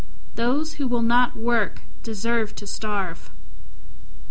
Those who will not work deserve to starve.